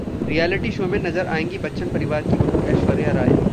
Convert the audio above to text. reality show में नजर आएंगी बच्चन परिवार की बहू ऐश्वर्या राय